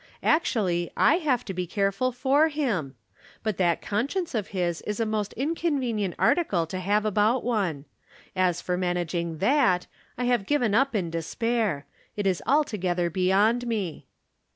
Actually, I have to be care ful for him ! But that conscience of his is a most inconvenient article to have about one. As for managing tliat, I have given up in despair ; it is altogether beyond me.